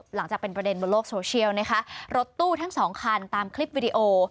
หลังจากเป็นประเด็นบนโลกโซเชียลนะคะรถตู้ทั้งสองคันตามคลิปวิดีโอ